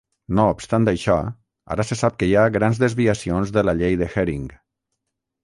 No obstant això, ara se sap que hi ha grans desviacions de la llei de Hering.